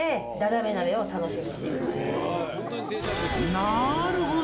なるほど！